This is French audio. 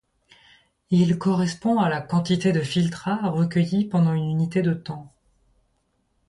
Il correspond à la quantité de filtrat recueillie pendant une unité de temps.